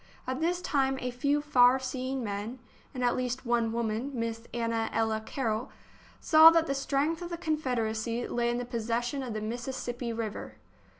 At this time a few far seeing men, and at least one woman, Miss Anna Ella Carroll, saw that the strength of the Confederacy lay in the possession of the Mississippi River.